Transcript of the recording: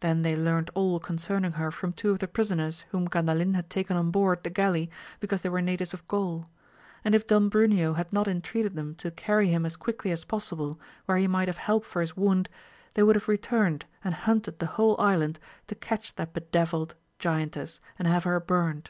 Then they learnt all concerning her from two of the prisoners whom Gandalin had taken on board the galley because they were natives of Gaul ; and if Don Bruneo had not intreated them to carry him as quickly as possible where he might have help for his wound, they would have returned and hunted the whole island to cktch that bedevilled giantess, and have her burnt.